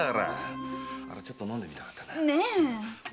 あれちょっと飲んでみたかったな。